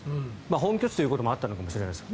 本拠地ということもあったのかもしれないです。